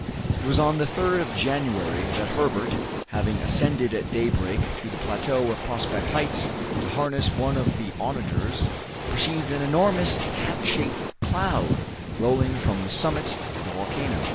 It was on the 3rd of January that Herbert, having ascended at daybreak to the plateau of Prospect Heights to harness one of the onagers, perceived an enormous hat shaped cloud rolling from the summit of the volcano.